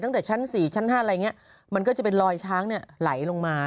ตั้งแต่ชั้น๔ชั้น๕อะไรอย่างนี้มันก็จะเป็นรอยช้างเนี่ยไหลลงมา